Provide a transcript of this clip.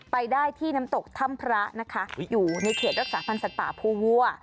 ไปได้ที่น้ำตกถ้ำพระนะคะอยู่ในเขตรักษาพันธ์สัตว์ป่าภูวัว